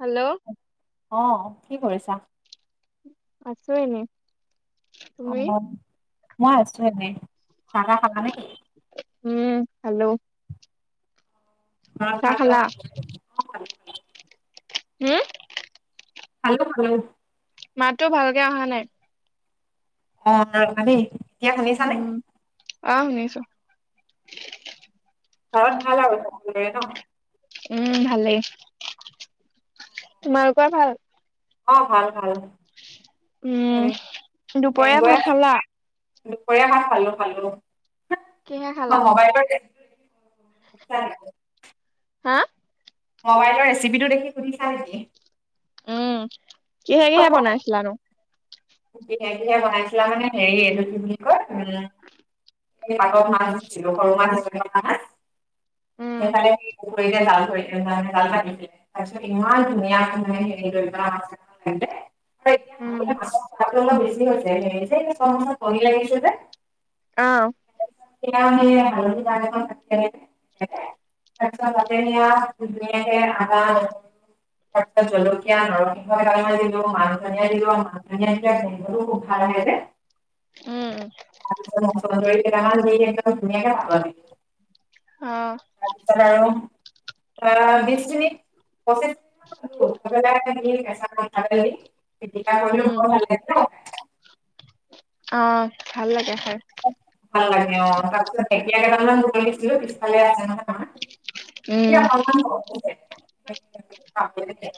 Hello আহ কি কৰিছা আছো এনে অ তুমি? মই আছো এনে খানা খালা নেকি উম খালো চাহ অ হম খালো খালো মাততো ভালকে অহা নাই অ ৰবা দেই। এতিয়া শুনিছানে উম আহ শুনিছো ঘৰত ভাল আৰু- সকলোৰে ন উম ভালেই। তোমালোকৰ ভাল- অ ভাল ভাল- এ উম এ দুপৰীয়া গৈ ভাত আছো খালা। দুপৰীয়া ভাত খালো খালো কিহে খালা মবাইলৰ অ হা মবাইলৰ ৰেচিপিটো দেখি সুধিছা নেকি? উম কিহে কিহে বনাইছিলানো হে কিহে বনাইছিলা মানে হেৰি তুম কয় উম পাকত মাছ দিছিলো সৰু মাছছিলা মা উম সেইকাৰে জাল থে জাল থাকিছিলে তাৰপিছত ইমান ধুনীয়া ধ হেৰি কৰিবে উম বেছি হৈছে কৰি লাগিছে যে আহ [unintelligible] আচ্ছা [unintelligible] আদা তাৰপাছত জলকীয়া, নৰসিংহ এডালমান দিলো মান ধনিয়া দিলো মাহ আ আছে খব ভাল হৈ যে উম ধুনীয়াকে ভাল পাবি। অঁ অ বিছ মিনিট [unintelligible] কি [unintelligible] পিটিকা কৰিলো উম বৰ ভাল লাগে ন অ ভাল লাগে খাই ভাল লাগে অ তাৰপিছত ঢেকীয়া কেইডালমান বুটলিছিলো পিছফালে আছে নহয় তোমাৰ - উম, এতিয়া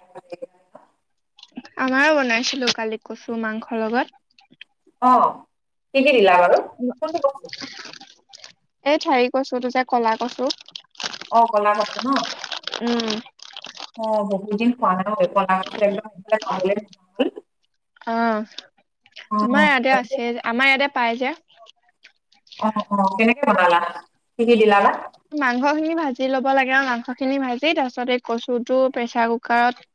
[unintelligible] [unintelligible] আমাৰো বনাইছিলো কালি কচু মাংসৰ লগত [unintelligible] অ কি কি দিলা। বাৰু কোনটো কচু অ এই ঠাৰি কচুটো যে কলা কচু, - অ ক'লা কচু ন উম অ বহুত দিন খোৱা নাই অ আমাৰ অ ইয়াতে তাৰপিছত আছে আমাৰ ইয়াতে পাই যে। অ-অ কেনেকে বনালা কি কি দিলা মাংসখিনি ভাজি ল'ব লাগে আৰু মাংসখিনি ভাজি তাৰ পিছত এই কচুটো প্ৰেছাৰ কুকাৰত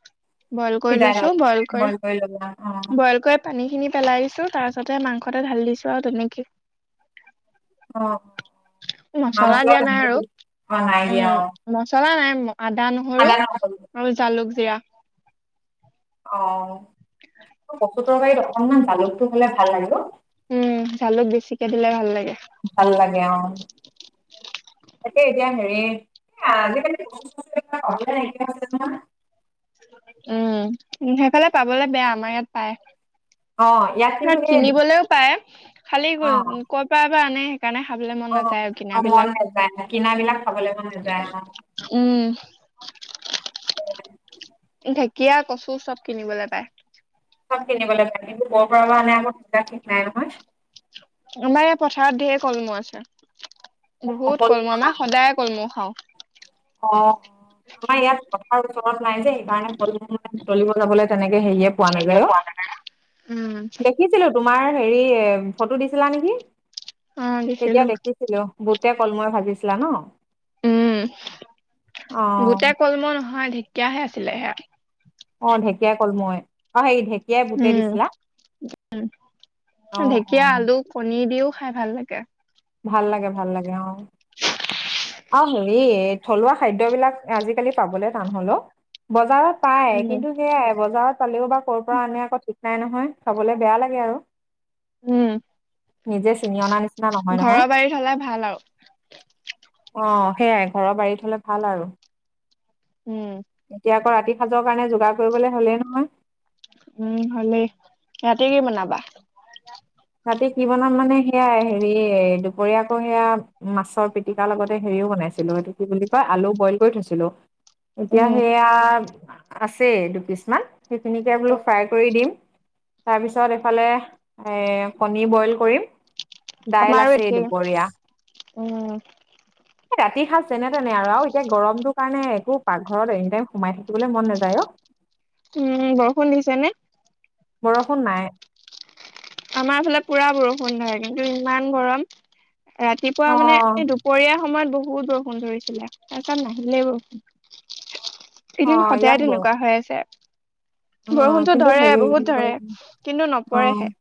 বইল কৰি সিজাই ললা লৈছো বইল কৰি ললা অ বইল কৰা পানীখিনি পেলাই দিছো তাৰ পাছতে মাংসতে ঢালি দিছো আৰু তেনেকে - অ দিয়া নাই আৰু [unintelligible] অ নাই উম দিয়া অ মছলা নাই আদা, নহৰু আৰু জালুক, জিৰা অ [inaudible] কচুত অকনমান জালুকটো হলে ভাল লাগে ন উম জালুক বেছিকে দিলে ভাল লাগে। ভাল লাগে অ তাকে এতিয়া হেৰি- আজিকালি [unintelligible] উম সেইফালে পাবলে বেয়া আমাৰ ইয়াত পায়। নহয় অ ইয়াত তাত কিন্তু সেই কিনিবলৈও পায় খালী অ [unintelligible] কৰ পৰা বা আনে সেইকাৰণে খাবলে মন অ নাযায়। আৰু অ মন কিনাবিলাক নাযায় কিনা বিলাক খাবলে [unintelligible] উম- উম ঢেকীয়া, কচু, চব কিনিবলৈ পায়। চব কিনিবলৈ পায় কিন্তু কৰা পৰা আনে আক ঠিক নাই নহয়। আমাৰ এই পথাৰত ঢেৰ কলমৌ আছে। অ বহুত কল কলমৌ আমাৰ সদায় কলমৌ খাও। অ', আমাৰ ইয়াত কথাৰ ওচৰত নাই যে সেইকাৰণে [unintelligible] কলমৌ বুটলিব যাবলৈ তেনেকে হেৰিয়ে পোৱা নাযায় অ, উম। দেখিছিলো তোমাৰ হেৰি ফটো দিছিলা নেকি? অ তেতিয়া দিছিলো দেখিছিলো বুতে, কলমৌৱে মই ভাবিছিলা ন। অ বহুতে কলমৌ নহয় ঢেকীয়াহে আছিলে সেয়া। অ, ঢেকীয়াাই কলমৌৱে অ, হেৰি ঢে উম, অ অ ঢেকীয়া, আলু, কণী দিও। খাই ভাল লাগে। ভাল লাগে-ভাল লাগে অ - অ হেৰি থলুৱা খাদ্যবিলাক আজিকালি পাবলৈ টান হলেও বজাৰত পায় উম। কিন্তু সেয়াই বজাৰত পালেও বা ক'ৰ পৰা আনে আকৌ ঠিক নাই নহয় খাবলে বেয়া লাগে আৰু উম নিজে চিঙি অনা নিচিনা নহয়। ঘৰৰ নহয় বাৰীত হলে ভাল আৰু। অ, সেইয়াই ঘৰৰ বাৰীত হলে ভাল আৰু। উম। এতিয়া আকৌ ৰাতি সাজৰ কাৰণে যোগাৰ কৰিবলে হ'লেই নহয়। উম, হলে ৰাতি কি বনাবা। ৰাতি কি বনাম মানে সেয়া হেৰি দুপৰীয়া আকৌ সেয়া মাছৰ পিতিকা লগতে হেৰিও বনাম। পাইছিলো সেইটো কি বুলি কয় আলু বইল কৰি থৈছিলো। এতিয়া উম। সেয়া আছে দুপিছমান সেইখিনিকে বোলো ফ্ৰাই কৰি দিম তাৰপিছত এইফালে কণী বইল কৰিম দাইল আমাৰো আছে একেই দুপৰীয়া উম। ৰাতি সাজ যেনে- তেনে আৰু আৰু এতিয়া গৰমটোৰ কাৰণে একো পাকঘৰত এনি টাইম সোমাই থাকিবলৈ মন নাযায় অ, উম, বৰষুণ দিছে নে? বৰষুণ নাই। আমাৰ ফালে পুৰা বৰষুণ ধৰ কিন্তু ইমান গৰম অ ৰাতিপুৱা মানে এই দুপৰীয়া সময়ত বহুত বৰষুণ ধৰিছিলে তাৰপিছত নাহিলেই বৰষুণ। অ এদিন ইয়াত সদায় বৰ তেনেকুৱা হৈ আছে আৰু। অ বৰষুণতটো কিন্তু ধৰে হেৰি বহুত অ ধৰে কিন্তু নপৰেহে।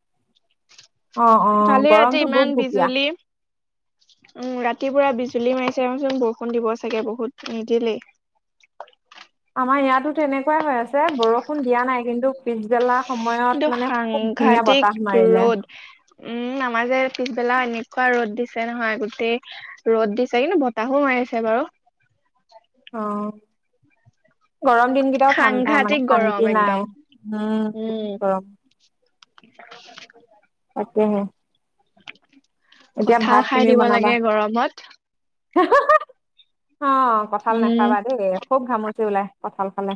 অ অ কালি ৰাতি গৰমটো গোপ ইমান গোপীয়া বিজুলী উম, ৰাতি ৰাতি পুৰা বিজুলী মাৰিছে ৰচোন বৰষুণ দিব চাগে বহুত নিদিলেই। আমাৰ ইয়াতো তেনেকুৱাই হৈ আছে বৰষুণ দিয়া নাই কিন্তু পিছবেলা সময়ত কিন্তু মানে খুব ধুনীয়া সাংঘাতিক বতাহ মাৰিলে ৰ'দ উম, আমাৰজে পিছবেলাও এনেক কোৱা ৰ'দ দিছে নহয় গোটেই ৰ'দ দিছে কিন্তু বতাহো মাৰিছে বাৰু। অ', গৰম দিনকেইটাও ঠাণ্ডা মানে সাংঘাতিক গৰম শান্তি নাই একদম উম, উম বহুত গৰম। [inaudible] তাকেহে এতিয়া কঁঠাল ভাত খাই তুমি দিব বনাবা। লাগে গৰমত অ, কঠাল উম নাখাবা দেই খুব ঘামুচি ওলাই কঠাল খালে।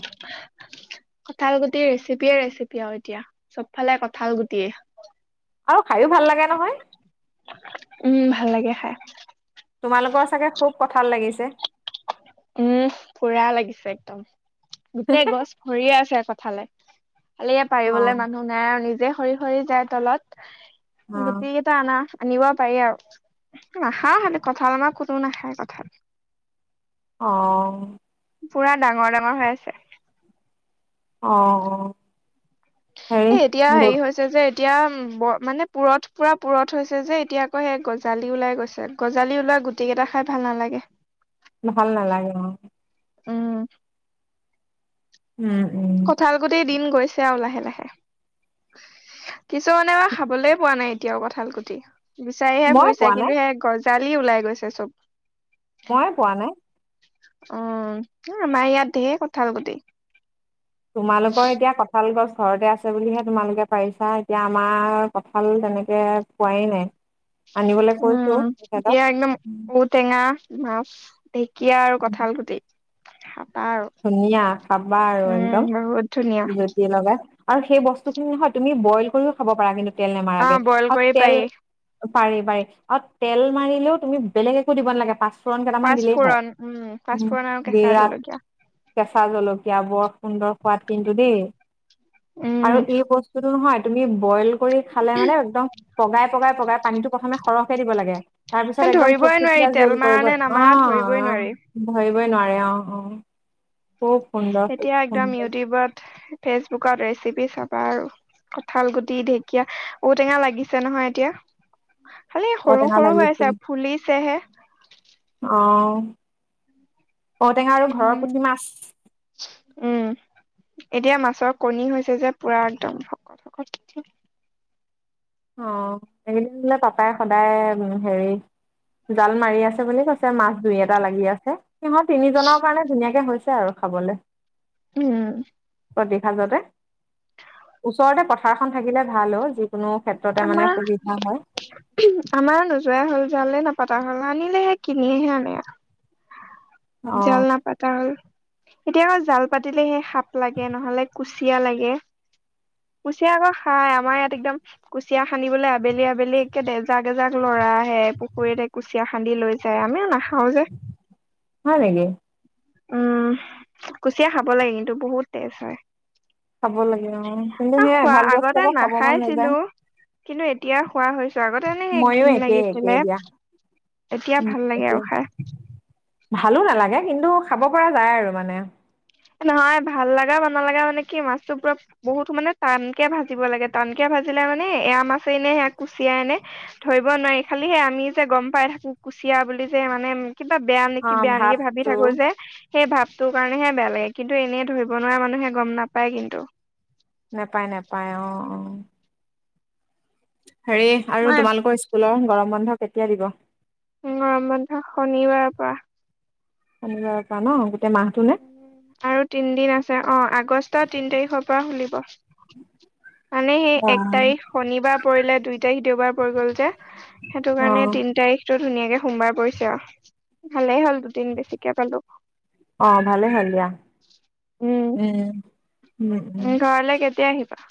কঠাল গুটি ৰেচিপিয়ে ৰেচিপি আৰু এতিয়া চবফালে কঠাল গুটিয়ে। আৰু খাইো ভাল লাগে নহয়। উম, ভাল লাগে খাই। তোমালোকৰ চাগে খুব কঠাল লাগিছে। উম, পুৰা লাগিছে একদম গোটেই গছ ভৰিয়ে আছে খালে খালি ইয় অ পাৰিবলৈ মানুহ নাই আৰু নিজে সৰি - সৰি যায় অ তলত। গুতি কেইটা অনা। আনিব পাৰি আৰু নাখা হ কঠাল আমাৰ কোনো নাখায় কঠাল। অ', পুৰা ডাঙৰ ডাঙৰ হৈ আছে। আহ অ। হেৰি এ এতিয়া হেৰি হৈছে যে। এতিয়া মানে পুৰঠ পুৰা পূৰঠ হৈছে যে এতিয়া আকৌ সেই গজালি ওলাই গৈছে গজালি ওলাই। গুটি কেইটা খাই ভাল নালাগে। ভাল নালাগে অহ। উম। উম উম কঠাল গুটি দিন গৈছে আৰু লাহে লাহে। কিছুমানে খাবলৈ পোৱা নাই এতিয়াও কঁঠাল কুটি বিচাৰিহে মই ফুৰিছে পোৱা নাই কিন্তু সেই গছ গঁজালি ওলাই গৈছে চব। মই পোৱা নাই। অ আমাৰ ইয়াত ঢেৰ কঠাল গোটি। তোমালোকৰ এতিয়া কঁঠাল গছ ঘৰতে আছে বুলিহে তোমালোকে পাৰিছা, এতিয়া আমাৰ কঁঠাল তেনেকে খোৱাই নাই। আনিবলৈ কৈছো উম, তেখেতক এতিয়া একদম ঔটেঙা মাছ, ঢেকীয়া আৰু কঁঠাল গুটি। আৰু ধুনীয়া, খাবা আৰু উম একদম বহুত ধুনীয়া জুতি লগাই। আৰু সেই বস্তু খিনি নহয় তুমি বইল কৰিও খাব পাৰা, কিন্তু তেল অ নামাৰাকে বইল আৰু কৰি তেল পাৰি পাৰি-পাৰি আৰু তেল মাৰিলেও তুমি বেলেগ একো দিব নালাগে, পাচ ফোৰণ কেইটামান দিলেই হয়, পাঁচফোৰণ উম উম, পাঁচফোৰণ আৰু কেঁচা বিৰাট জলকীয়া কেঁচা জলকীয়া বৰ সুন্দৰ সোৱাদ কিন্তু দেই, আৰু উম এই বস্তুটো নহয় তুমি বইল কৰি খালে মানে, একদম পগাই-পগাই-পগাই, পানীতো প্ৰথমে সৰহকে দিব লাগে, তাৰ পিছত একদম ধৰিবই নোৱাৰি থুপ-থুপিয়া তেল জোল মাৰা কৰিব, নে নামাৰা ধৰিবই অ-অ, নোৱাৰি ধৰিবই নোৱাৰে, অ-অ এতিয়া একদম ইউটিউবত, ফেচবুক বুকত ৰেচিপি চাবা আৰু কঁঠাল গুটি, ঢেকীয়া, ঔটেঙা লাগিছে নহয় এতিয়া খালি সৰু ঔটেঙা সৰু হৈ লাগিছে, আছে ফুলিছেহে অ ঔটেঙা আৰু ঘৰৰ উম পুঠি মাছ উম এতিয়া মাছৰ কণী হৈছে যে, পুৰা একদম শকত-শকত পঠ অ, এইকেইদিন বোলে পাপাই সদায় হেৰি, জাল মাৰি আছে বুলি কৈছে। মাছ দুই, এটা লাগি আছে, সিহঁত তিনিজনৰ কাৰণে ধুনীয়াকে হৈছে আৰু খাবলে উম প্ৰতি সাজতে, ওচৰতে পথাৰখন থাকিলে ভাল অ, ' যিকোনো ক্ষেত্ৰতে মানে সুবিধা হয় আমাৰ-আমাৰ, নোযোৱাই হ'ল, জালে নাপাতে তেহল নানিলে কিনি সে আনে। অ জাল নাপাতা হ'ল। এতিয়া জাল পাতিলেহে সাপ লাগে, নহলে কুচিয়া লাগে। কুচিয়া আকৌ খাই, আমাৰ ইয়াত একদম কুচিয়া সানিবলৈ আবেলি-আবেলি একে এজাক-এজাক ল'ৰা ল'ৰা আহে, পুখুৰীতে কুচিয়া খান্দি লৈ যায়, আমিও নাখাওঁ হয় নেকি? উম, কুচিয়া খাব লাগে, কিন্তু বহুত তেজ হয়। খাব লাগে অ, কিন্তু আৰু মই খোৱা ভাল বস্তু আগতে আকৌ খাব মন নাখাইছিলো নাযায়। কিন্তু এতিয়া খোৱা হৈছো, আগতে এনে সেই ময়ো ঘিণ একেই লাগিছিলে একেই দিয়া এতিয়া উম ভাল লাগে আৰু একেই খাই। ভালো নালাগে, কিন্তু খাব পৰা যায় আৰু মানে নহয় ভাল লগা বা নলগা মানে কি, মাছতো পুৰা বহুত মানে টানকে ভাজিব লাগে, টান কে ভাজি ভাজিলে মানে, এইয়া মাছে নে সেয়া কুচিয়া নে ধৰিব নোৱাৰি, খালি সেই আমি যে গম পাই থাকো কুচিয়া কুচিয়া বুলি যে মানে, কিবা বেয়া অ নেকি, বেয়া নেকি ভাবি ভাৱটো থাকো যে, সেই ভাবটো কাৰণেহে বেয়া লাগে কিন্তু এনেই ধৰিব নোৱাৰা, মানুহে গম নাপায় কিন্তু নাপায়-নাপায়, অ-অ হেৰি আৰু মই তোমালোকৰ স্কুলৰ গৰম বন্ধ কেতিয়া দিব? গৰম বন্ধ শনিবাৰ পৰা। শনিবাৰ পৰা ন। গোটেই মাহটো নে আৰু তিনিদিন আছে, অ, আগষ্ট তিন তাৰিখৰ পৰা খুলিব। মানে, সেই অ এক তাৰিখ শনিবাৰ পৰিলে, দুই তাৰিখ দেওবাৰ পৰি গ'ল যে সেইটো অ কাৰণে, তিন তাৰিখটো ধুনীয়াকে সোমবাৰ পৰিছে আৰু, ভালেই হ'ল দুদিন বেছিকে পালো। অ, ভালে হ'ল দিয়া, উম। উম-উম উম, ঘৰলে কেতিয়া আহিবা?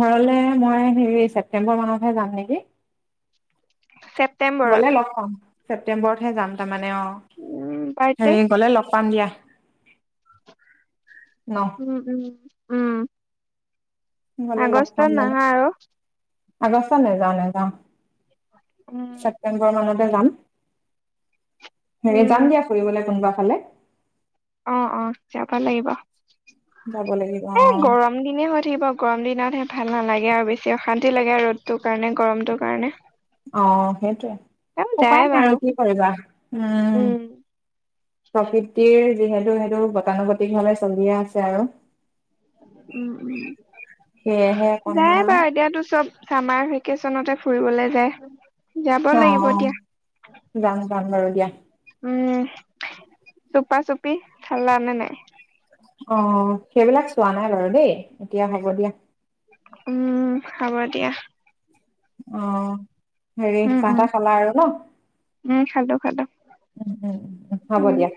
ঘৰলে মই হেৰি, ছেপ্তেম্বৰ মাহতহে যাম নেকি? ছেপ্তেম্বৰত গ'লে লগ পাম, ছেপ্তেম্বৰত হে যাম, তাৰমানে অ, উম বাৰ্থডে হেৰি গ'লে লগ পাম সন্ধিয়া। উম! উম! গলে লগ পাম আগষ্টত বাৰু নাহা আৰু আগষ্টত নেযাওঁ, নেযাওঁ, উম ছেপ্তেম্বৰ মানতে যাম। হেৰি উম যাম দিয়া ফুৰিবলে কোনোবা ফালে। অ অ যাব লাগিব। যাব লাগিব অ এ গৰম দিনেই হৈ থাকিব গৰম দিনত সিহত- ভাল নালাগে আৰু বেছি অশান্তি লাগে আৰু ৰ'দটোৰ কাৰণে গৰমটোৰ কাৰণে। অ সেইটোয়ে তেওঁ যায় উপায় নাই বাৰু আৰু কি কৰিবা উম! প্ৰকৃতিৰ যিহেতু সেইটো গতানুগতিক ভাৱে চলিয়ে আছে আৰু উম! উম! সেয়েহে অকনমান যায় আৰু বাৰু এতিয়াতো চব চামাৰ ভেকেশচনতে ফুৰিবলে যায়। যাব অ লাগিব যাম, দিয়া যাম, বাৰু দিয়া। উম! চুপা -চুপি চালানে নাই। অ সেইবিলাক চোৱা নাই বাৰু দেই এতিয়া হ'ব দিয়া। উম! হব দিয়া। অ হেৰি উম চাহ উম তাহ খালা আৰু ন উম খালো খালো উম! উম! হ'ব উম দিয়া,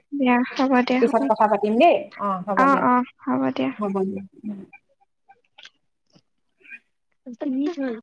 হ'ব দিয়া পিছত কথা পাতিম দেই, অ হ'ব দিয়া অ হ'ব হ'ব দিয়া। উ [inaudible] উম!